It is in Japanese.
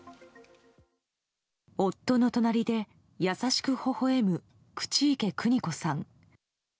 夫の隣で優しくほほ笑む、口池邦子さん。